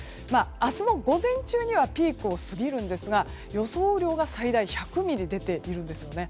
明日の午前中にはピークを過ぎるんですが予想雨量が最大１００ミリ出ているんですよね。